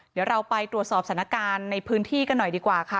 เดี๋ยวเราไปตรวจสอบสถานการณ์ในพื้นที่กันหน่อยดีกว่าค่ะ